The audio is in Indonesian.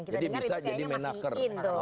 jadi bisa jadi menaker